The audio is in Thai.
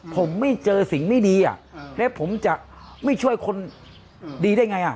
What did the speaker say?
ผมไม่เจอสิ่งไม่ดีแล้วผมจะไม่ช่วยคนดีได้ไง